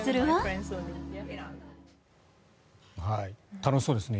楽しそうですね。